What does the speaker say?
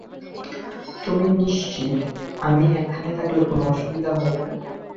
তুমি নিশ্চিত আমি এখানে থাকলে কোন অসুবিধা হবে না?